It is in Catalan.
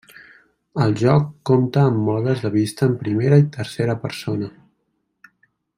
El joc compta amb modes de vista en primera i tercera persona.